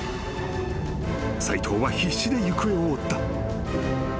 ［斎藤は必死で行方を追った］